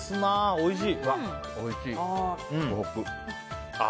おいしい！